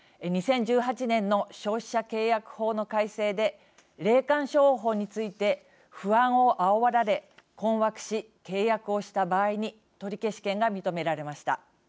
２０１８年の消費者契約法の改正で霊感商法について不安をあおられ、困惑し契約をした場合に取消権が認められました。